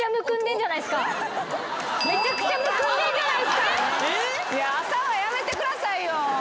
いや朝はやめてくださいよ。